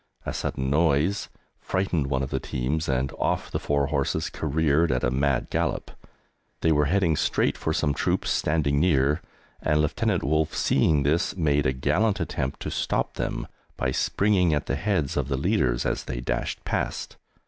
A sudden noise frightened one of the teams, and off the four horses careered at a mad gallop. They were heading straight for some troops standing near, and Lieutenant Wolffe, seeing this, made a gallant attempt to stop them by springing at the heads of the leaders as they dashed past.